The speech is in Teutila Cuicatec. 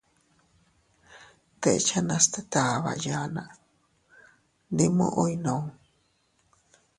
Deʼechanas tet aʼaba yanna, ndi muʼu iynuu.